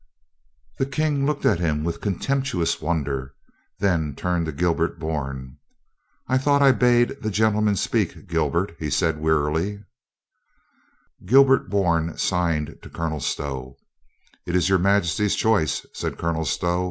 The King looked at him with contemptuous won der, then turned to Gilbert Bourne. "I thought I bade the gentleman speak, Gilbert?" he said wear iiy Gilbert Bourne signed to Colonel Stow. "It is your Majesty's choice," said Colonel Stow.